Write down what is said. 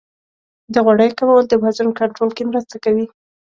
د غوړیو کمول د وزن کنټرول کې مرسته کوي.